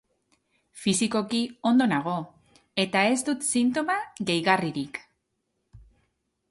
Fisikoki ondo nago, eta ez dut sintoma gehigarririk.